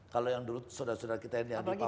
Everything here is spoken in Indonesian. kalau yang dulu sudah sudah kita yang di papua